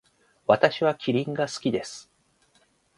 私はキリンが好きです。